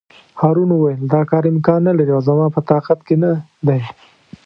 هارون وویل: دا کار امکان نه لري او زما په طاقت کې نه دی.